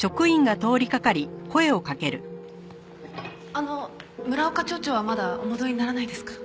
あの村岡町長はまだお戻りにならないですか？